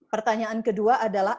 pertanyaan kedua adalah